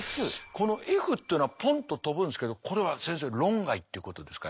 このＦっていうのはポンッと飛ぶんですけどこれは先生論外ってことですか